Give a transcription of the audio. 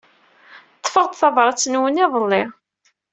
Ḍḍfeɣ-d tabṛat-nwen iḍelli.